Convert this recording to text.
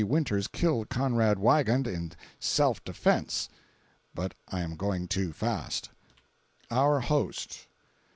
Winters kill Conrad Wiegand in "self defence." But I am going too fast. OUR HOST.